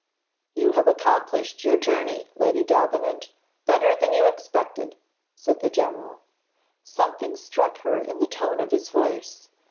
"You have accomplished your journey, Lady Davenant, better than you expected," said the general. Something struck her in the tone of his voice.